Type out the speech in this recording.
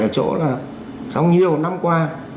ở chỗ là trong nhiều năm qua